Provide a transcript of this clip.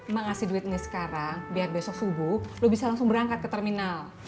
mak ngasih duitnya sekarang biar besok subuh lu bisa langsung berangkat ke terminal